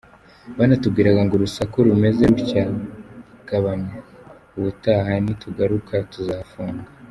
Banatubwira ngo urusaku rumeze rutya gabanya ubutaha nitugaruka tuzafunga.